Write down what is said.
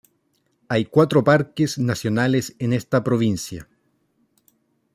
Hay cuatro parques nacionales en esta provincia.